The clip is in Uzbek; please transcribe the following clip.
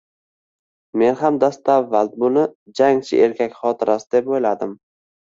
Men ham dastavval buni jangchi erkak xotirasi deb o`yladim